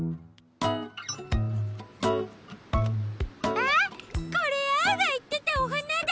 あっこれアオがいってたおはなだ！